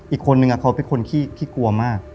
อีกคนนึงเขาเป็นคนขี้กลัวมาก